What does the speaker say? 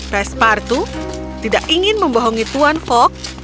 pespartu tidak ingin membohongi tuan fogg